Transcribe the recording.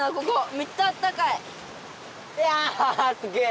めっちゃあったかい！やすげえ！